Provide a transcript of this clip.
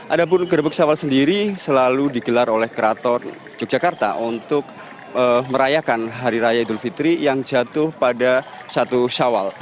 ada pun gerebek sawal sendiri selalu digelar oleh keraton yogyakarta untuk merayakan hari raya idul fitri yang jatuh pada satu syawal